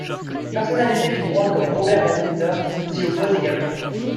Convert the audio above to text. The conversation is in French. Une personnalité du droit comme Robert Badinter s’y oppose également.